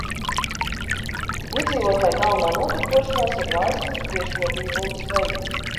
Iedzīvotāju galvenā nodarbošanās ir vaislas briežkopība un zveja.